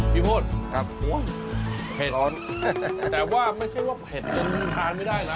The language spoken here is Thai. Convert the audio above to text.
พี่โฟธแผ่นแห่งเจมส์แต่ว่าไม่ใช่ว่าหนะ